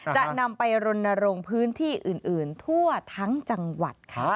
จะนำไปรณรงค์พื้นที่อื่นทั่วทั้งจังหวัดค่ะ